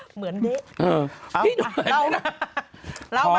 เหมือนเด๊ะ